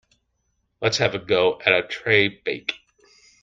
Let's have a go at a tray bake.